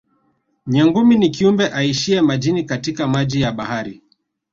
Nyangumi ni kiumbe aishiye majini katika maji ya bahari